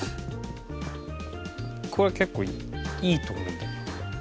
これ結構いいと思うんだけど。